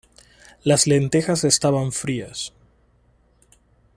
Las lentejas estaban frías.